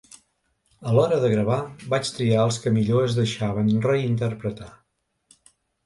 A l’hora de gravar, vaig triar els que millor es deixaven reinterpretar.